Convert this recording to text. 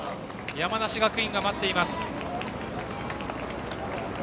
山梨学院が待っています。